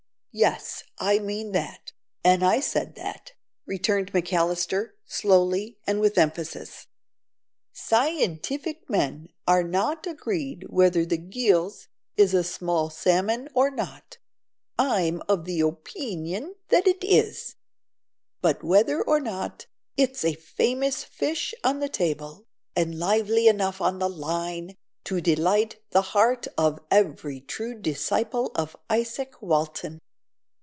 "Yes, I mean that, an' I said that," returned McAllister, slowly and with emphasis. "Scienteefic men are not agreed whether the g'ilse is a small salmon or not; I'm of opeenion that it is. But whether or not, it's a famous fish on the table, and lively enough on the line to delight the heart of every true disciple of Isaac Walton."